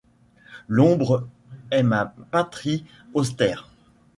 L'ombre est ma patrie austère.